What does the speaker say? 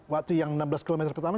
waktu yang enam belas km pertama